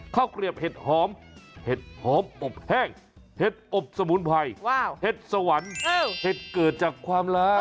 เกลียบเห็ดหอมเห็ดหอมอบแห้งเห็ดอบสมุนไพรเห็ดสวรรค์เห็ดเกิดจากความล้า